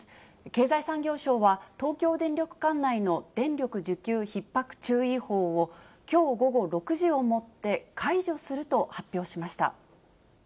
経済産業省は、東京電力管内の電力需給ひっ迫注意報を、きょう午後６時をもって解除すると発表しました。